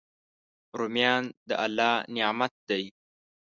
رومیان د الله نعمت دی